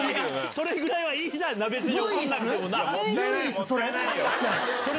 それぐらいはいいじゃんな、唯一それ？